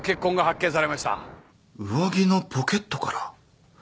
上着のポケットから？